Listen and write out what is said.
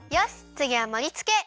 つぎはもりつけ！